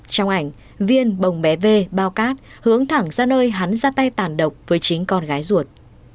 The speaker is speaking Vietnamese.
trong ảnh viên bồng bé v bao cát hướng thẳng ra nơi hắn ra tay tàn độc với chính con gái ruột